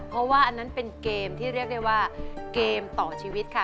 เพราะว่าอันนั้นเป็นเกมที่เรียกได้ว่าเกมต่อชีวิตค่ะ